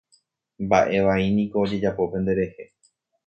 Mba'e vai niko ojejapo penderehe.